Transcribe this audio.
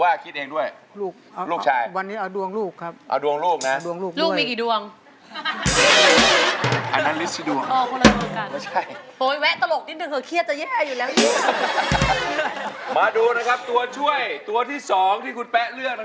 ตัวช่วยของคุณแปะแผ่นที่สองก็คือ